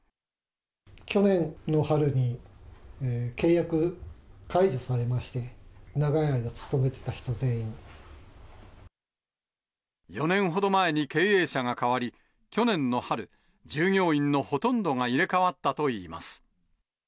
去年の春に契約解除されまして、長い間、４年ほど前に経営者が変わり、去年の春、従業員のほとんどが入れ代わったといいます。